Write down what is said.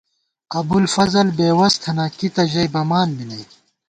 ابُوالفضل بے وس تھنہ ، کی تہ ژَئی بَمان بی نئ